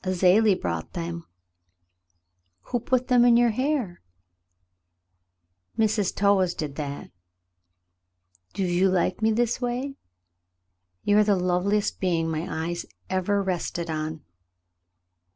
"Azalie brought them." *'And who put them in your hair.'*" "Mrs. Towahs did that. Do vou like me this way, "You are the loveliest being my ej^es ever rested on."